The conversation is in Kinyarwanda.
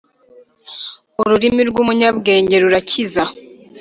ururimi rw’umunyabwenge rurakiza